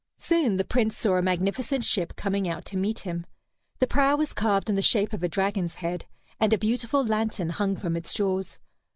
Soon the Prince saw a magnificent ship coming out to meet him. The prow was carved in the shape of a dragon's head, and a beautiful lantern hung from its jaws.